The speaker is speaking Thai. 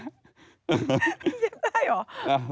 เย็บได้หรอ